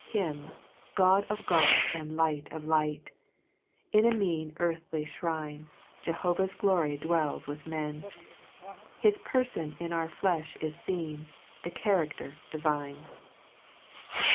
Him, God of God, and Light of Light In a mean earthly flirine : Jehovah's Glory dwells with men, His Pcrfon in our flefli is fcen, The character divine